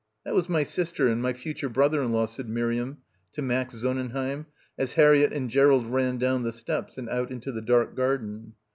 "That was my sister and my future brother in law," said Miriam to Max Sonnenheim as Harriett and Gerald ran down the steps and out into the dark garden.